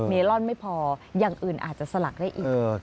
ลอนไม่พออย่างอื่นอาจจะสลักได้อีก